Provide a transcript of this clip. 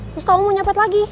terus kamu mau nyapet lagi